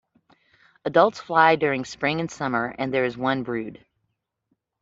Adults fly during spring and summer and there is one brood.